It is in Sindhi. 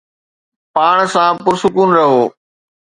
پاڻ سان پرسڪون رهو